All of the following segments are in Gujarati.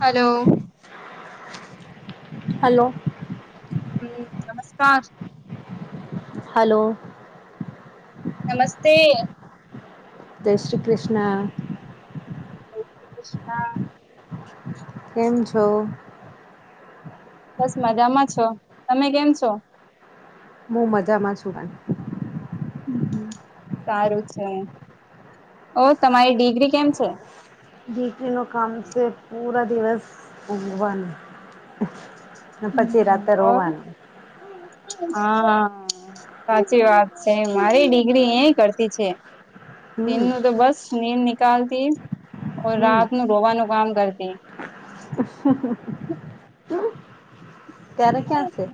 હલો. હલો નમસ્કાર. હલો. નમસ્તે. જય શ્રી કૃષ્ણ. જય શ્રી કૃષ્ણ. કેમ છો? બસ મજામાં છો. તમે કેમ છો? હું મજામાં છું હમ્મ સારું છે. ઓ તમારી દીકરી કેમ છે? દીકરીનું કામ છે પૂરા દિવસ ઊંઘવાનું. અને પછી હમ રાત્રે ઓર રોવાનું હા સાચી વાત છે મારી દીકરી એ કરતી છે. દિન હમ્મ નું તો બસ નીંદ નિકાલતી હમ્મ. રાત નું રોવાનું કામ કરતી. [unintelligible] ત્યારે ક્યાં છે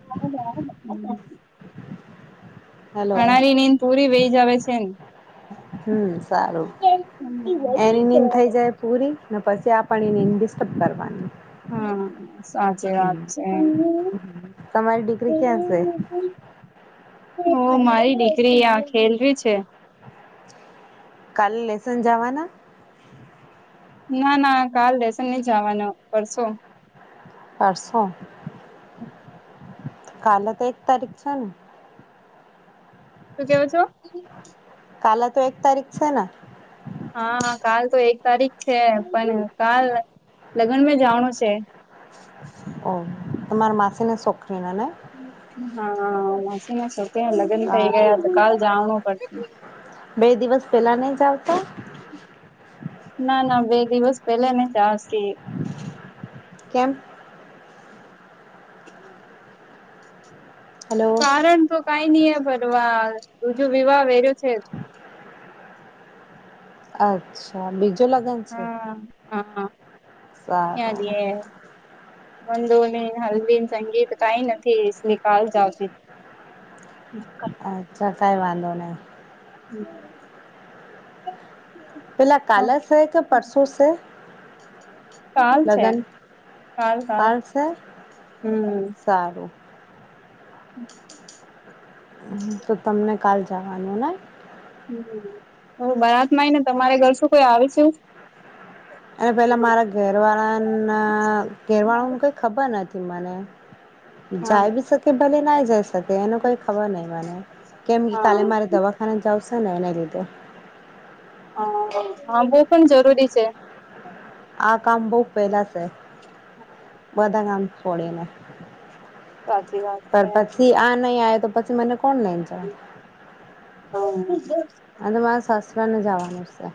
હેલો અનારી ને એને પુરી વહી જ આવે છે ને હમ સારું એની નીંદ થઇ જાય પૂરી અને પછી આપણ એને ડિસ્ટર્બ કરવાનું હા સાચી વાત છે. તમારી દીકરી ક્યાં છે? [inaudible] હો મારી દીકરી આં ખેલવી છે. કાલે લેસન જવાના ના ના કાલ લેશન નહી જવાનું પરશો પરસો કાલે તો એક તારીખ છે ને? શું કેવો છો કાલે તો એક તારીખ છે ને હા કાલ તો એક તારીખ છે પણ કાલ લગ્ન મેં જાવાનું છે ઓ તમારા માસી ને હા માસીના છોકરાના લગ્ન થઇ ગયા સારું તો કાલ જવાનું પડે બે દિવસ પહેલા. ના ના બે દિવસ પેલા ન ચી. કેમ. હમ. હલો કારણ તો કઈ નઈ હે પણ વા જો વિવાહ વેર્યો છે. અચ્છા બીજું લગન છે? હા હા સારું. મંદોની હલવી સંગીત કઈ નથી એટલે કાલ જ આવતી. હમ. અચ્છા કઈ વાંધો નહી. હમ. પેલા કાલે છે કે પરસુ છે. કાલ છે. લગ્ન હાલ કાલ હમ. સારું હમ. તો તમને કાલ જવાનું ને? હ હ બારાતમાં આવી ને તમારે ઘર શું કોઈ આવે છું. અને પેલા મારા ઘર વાળાના ઘેર વાળાને કઈ ખબર નથી. મને હા જાય બી સકે ભલેના જાયકે. એનો કઈ ખબર નહીં મને કેમ હા કાલે મારે દવાખાને જાવ. સનેવન દ તો. હ હા બહ પણ જરૂરી છે. આ કામ બવ પેલા છે બધા કામ છોડીને. સાચી વાત પર છે પછી આ નહી આવે તો પછી મને કોણ લઈને જાય. હ. અને મારે સસરા ને જવાનું સે.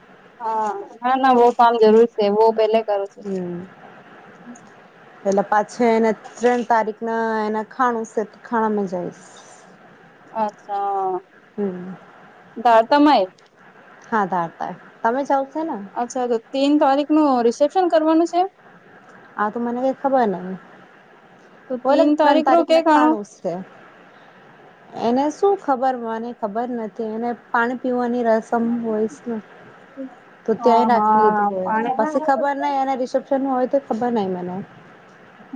હા ના ના વો ફારમ જરૂર છે વો પેલે કરો છે. હમ એટલે પાછી એને ત્રણ તારીખના એના ખાણું છે તો ખાણા માં જઈશ. અચ્છા. હમ. સમય. હા ધાડતાાય તમે જાાવ. અચ્છા તો તીન તારીખનું રિસેપ્શન કરવાનું છે? આ તો મને કે ખબર ન. તો ઓલે તીન ત્રણ તારીખ રો તારીખને કેક આણો ખાણું છે. એને શું ખબર મને ખબર નથી એને પાણી પીવાની. રસમ વયસ. તો હા ત્યાંય રાખી હા લીધું હોય પછી પાણી ખબર નય એના રિસેપ્શન નું હોય તો. ખબર નઈ મને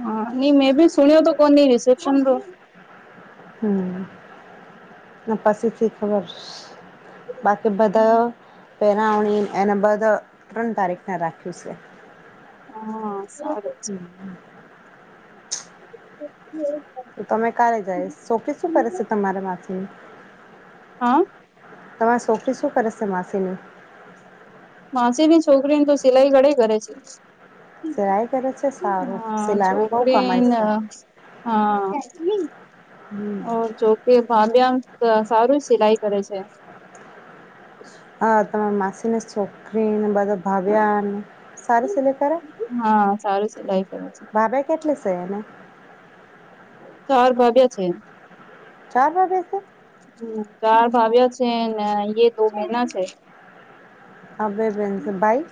હા નઈ મેં ભી સુણ્યો તો કોણ ન રિસેપ્શન રો. હમ ના પાછીથી ખબર. બાકી બધા પહેરાવણી એને બંધ ત્રણ તારીખને રાખ્યું છે. હા સારું છે. હું. તો તમે કાલે જાય શો કે શું કરે છે, તમારા માછલીનું. હા તમારે છોકરી શું કરે છે, માસીની. માછી ની છોકરીને તો સિલાઈ ઘણી કરે છે. સિલાઈ કરે છે સારું હા સિલાઈમાં બહુ કમાય છોકરીને છે. હા. હમ ઓ જો કે ભબ્યા. સારું સિલાઈ કરે છે. હ તમારા માસીને છોકરીને બધા ભાવ્યા. સારું સિલ કરે હા સારું સિલાઈ કરે છે ભાભાઈ કેટલી સે એને. ચાર ભાભી છે ચાર ભાભ્યા છે હા ચાર ભાભી છે ને એક મહિના છે. આપડે બેન છ ભાઈ?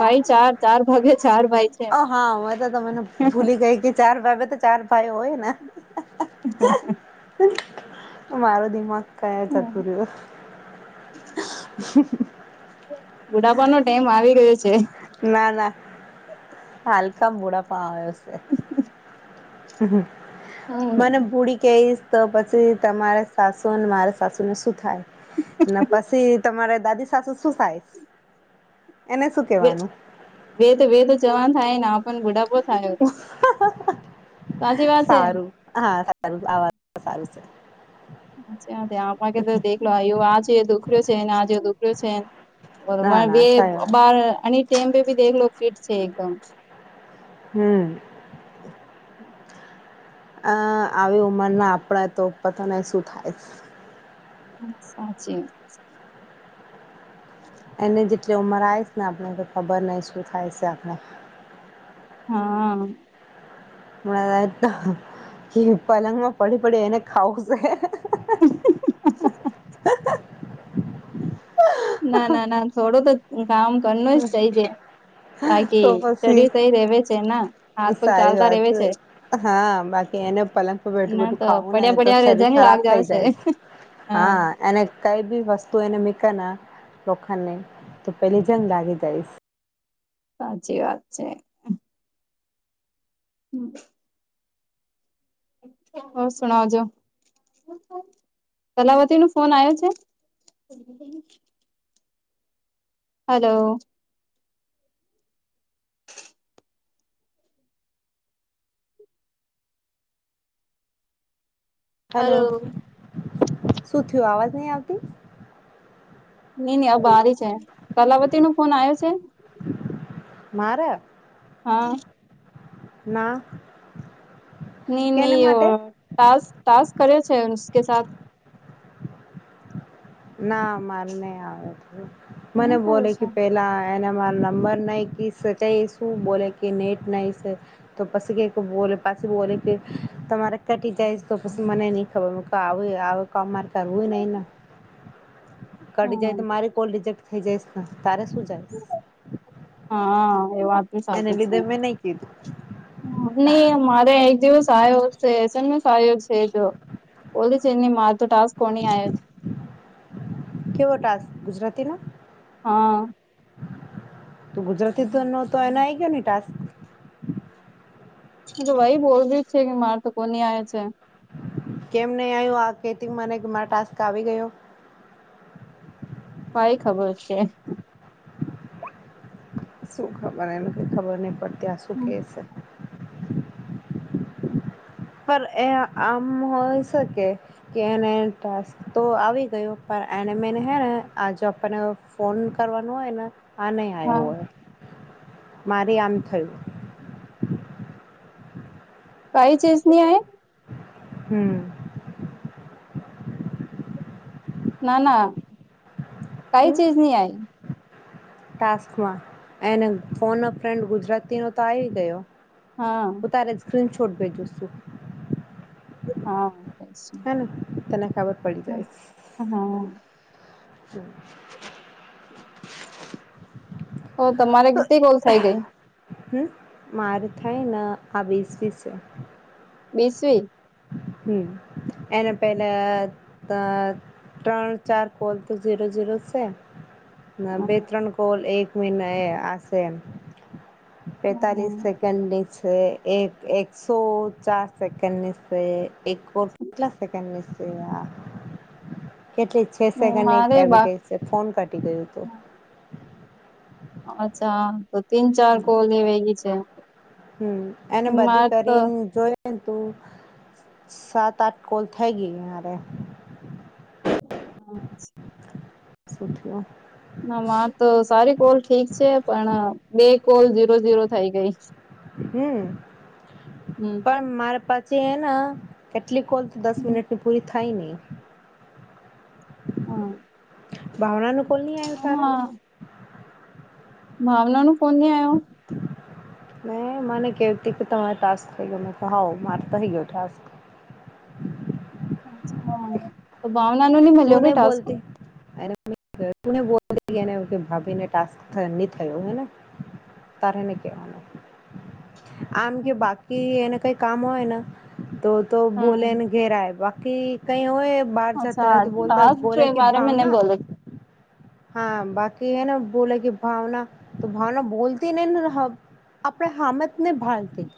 ભાઈ ચાર ચાર ભાગે ચાર ભાઈ છે હા હમે તો તને ભૂલી ગઈ કે ચાર ભાભે તો ચાર ભાઈ હોય ને. હ [inaudible] મારો દિમાગ કયા જતું રહ્યું. બુડાપાનો ટાઈમ આવી ગયો છે. ના ના હાલકા મૂડા પણ આવ્યો છે. મને બુડી કેઈ? તો પછી તમારે સાસુ મારે સાસુને શું થાય પછી તમારે દાદી સાસુ શું થાય? એને શું બે કેવાનું તો બે તો જવાનું થાય ને આપણ બુઢાપો થાય. સારું હા સારું આ વાત સારું છે. [inaudible] આજે ડેકરો છે, આજેઓ દેકરો છે. ના ના સારી [inaudible] વાત બાર અમે ટમ પે ભી દખલો ફિટ છે એકદમ. હમ્મ. અ આવી ઉંમર ના આપણા તો પોતાને શું થાય? સાચી. એને જેટલી ઉંમર આવીશ ને આપણ ખબર નહીં શું થાય છે આપણે. હા. પલંગ માં પડી પડી એને ખાવ છે. [unintelligible] [inaudible] ના ના ના થોડો તો કામ કરનું જ થઈ જ તો બાકી ચડી પછી થઈ રવે છે ને? હાજ તો સારી ચાલતા વાત રહેવે છે. હા બાકી એને પલંગ બેઠું ના બેઠું તો ખાવું ને પડ્યા તો પડ્યા શરીર જંગ લાગ ખરાબ જાવ થઈ છે જાય. હા અને કંઈ બી વસ્ તુ એને મિક ના લોખંડને તો પેલી જંગ લાગી જઈશ. સાચી વાત છે. હમ્મ. હો સુના જો. કલાવતી નો ફોન આવ્યો છે? હાલો. હાલો, હલો શું થયું અવાજ નહી આવતી. નઈ નહી આ બારી છે, કલાવતી નો ફોન આવ્યો છે? મારે? હા. ના. નહી કેને નહી માટે તસ્ તાસ્ક કરે છેકે સા ના મારે નહી આવે મને નહી કર્યો બોલે કે છે પેલા એને મા નંબર નહીં કેક શું બોલે કે નેટ નહી તો પછ કે બો પાછી બોલે કે તમારે કટી જઈ તો પછી મને નહી ખબર આવે આવે ક માર્ક એવ નહી ના. કડી જાય તો હમ મારી કોલ રિજેક્ટ થઈ જઈસ ને તારે સુું જાય. હા એ વાત સાચી છે કીધું ન મારે એક દિવસ સારુ છે એ સહયો છે જો બોલે છે નહી માર તો ટાસ્ક કોની આવે છે? કેવો ટાસ ગુજરાતીના? હા. તો ગુજરાતી નો તો એને આઈ ગયો ને ટાસ્ક. તો ભાઈ બોલવી છે કે મારે તો કોની આવે છે કેમ નહી આવ્યું આ કેથી મને મારા ટાસ્ક આવી ગયો. કઈ ખબર છે. શું ખબર એને કે ખબર નહી પડતી આ શું કહે છે. એ આમ હોય શકે કેને ટાસ્ક તો આવી ગયો એને મને હે ને આજો આપણને ફોન કરવાનો હોય ને આ નહીં આવ્યો હા હોય મારે આમ થયું. કઈ ચેજની હે. હમ. ના ના કઈ શું ચીજને આય. ટાસ્કમાં એને ફોન અ ફ્રેન્ડ ગુજરાતી નો તો આવી ગયો હા. તિન છોટ ભેજો છું હા હેને તને ખબર પડી જાય. હા હ તમારે કેટલી કોલ થઈ ગઈ? હમ મારે થાયને આ વિશેમી છે બીસવી. હમ એને પેલા અ ત્રણ ચાર કોલ તો ઝીરો ઝીરો છે. ના બે હા ત્રણ કોલ એક મહિના એ આશે પેતાલીસ સેકન્ડની છે એક એકસો ચાર સેકન્ડની એક કોલ કેટલા સેકન્ડની કેટલી છે સેકન્ડ એક મારે આવી બા ગઈ છે ફોન કાટી ગયું હતું અચ્છા તો તીન ચાર કોલ એવેલી છે હમ એને બધી માત કરીને જોય પરંતુ સાત આઠ કોલ થઈ ગઈ મારે હા. [unintelligible] ના મા તો સારી કોલ ઠીક છે પણ બે કોલ ઝીરો ઝીરો થઈ ગઈ. હમ પણ હમ. મારે પછી એના કેટલી કોલ તો દસ મિનિટની પૂરી થાય નહી. હા ભાવનાનું કોલ નહી આયો તારે? ભાવનાનું ફોન નહી આયો. હ મને કેતી કે તમારે ટાસ્ક થઈ ગયો મે કહું થઈ ગયો ટાસ્ક [inaudible] તો ભાવનાનું નહી મલ્યોને પણ ટાસ્ક. તને બોલને કે ભાભીને ટાસ્ક નહી થયો હેને [unintelligible] આમ કે બાકી એને કઈ કામ હોયને તો તો બોલે હા. ને ઘેરા બાકી કઈ હોય બહાર જ અચ્છા ત બોલતા ટાસ્ક બોલે કે બારે મે નહી ભાવના. બોલે હા બાકી એને બોલે કે ભાવના તો ભાવના બોતી નહી હ આપણે હામે નહી ભાલતી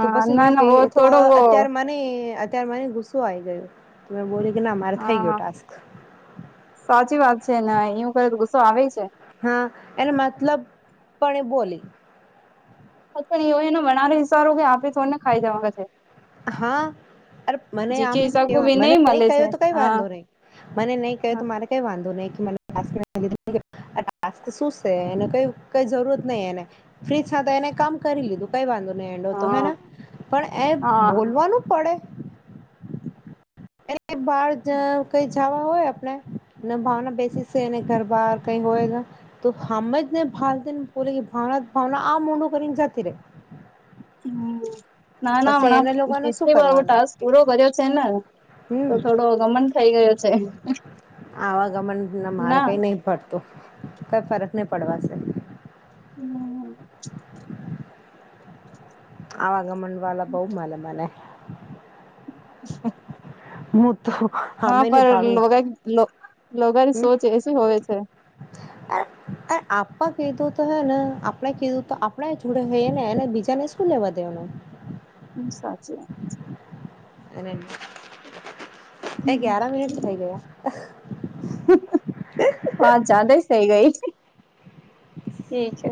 તો પછી ના મેં કે ના વો તો થોડો વો અત્યારે મને ત્યારે મને ગુસ્સો આવી ગયો મે બોલ્યો કે ના મારે થઈ ગયો હા ટાસ્ક સાચી વાત છે ને એવું કરે તો ગુસ્સો આવે છે હા એને મતલબ પણ એ બોલી. પણ એવો એનો વનારે હિશારો કે આપણે થોડ ને ખાઈ જવા છે હા અ મને જીકે આમને હિસાબ કો ભી મને નહી મળે ક્યો છે તો કઈ હા વાંધો નહી મને નહી ક્યું તો હા. મારે કઈ વાંધો નહી કે મને હ તો શું છે એને ક કઈ જરૂરત નહી એને ફ્રીજ તો એને કામ કરી લીધું કઈ વાંધો તો હે હા પણ એ હા બોલવાનું પડે કઈ બાાર જ કઈ જવા હોય આપણે ભાવના બેસી છે ઘર બાર કઈ હોય તો હ જ ને ભ ઓ ભાવના ભાવના આમનો કરીને જાતિ ર હ ના ના હણા લોકોને શું પસલી વારો કરવાનું ટાસ્ક પૂરો કર્યો છેને તો હમ થોડો ગમન થઇ ગયો છે આવાગમન ના મારે કઈ નહ પડતું કઈ ફરક નહી પડવાશે હમ્મ આવા ગમંડ વાળ બહુ મને મને અ હું તો ના આમેને પર ભાડું લોગા ની સોચ એ શી હોવે છે. આપણા કીધું તો હે ને આપણે કીધું તો આપણા જોડે થઈ ને એને બીજાને શું લેવા દેવાનું હમ્મ સાચી વાત એ ગયારા મિનિટ થઇ ગયા હા જદ સહી ઠીક છે